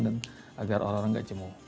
dan agar orang orang nggak jemuh